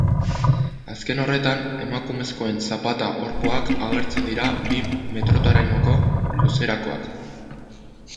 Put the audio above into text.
Azken horretan emakumezkoen zapata-orpoak agertzen dira, bi metrorainoko luzerakoak.